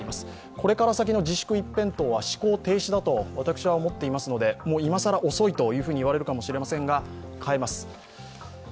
これから先の自粛一辺倒は思考停止だと思っていますので今更遅いと言われるかもしれませんが、耐えます。